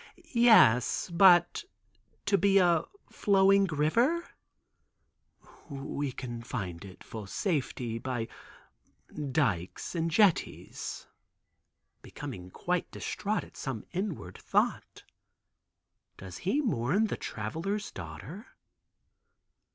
"Yes, but to be a flowing river?" "We confined it for safely, by dykes and jetties," becoming quite distraught at some inward thought. Does he mourn the Traveler's daughter?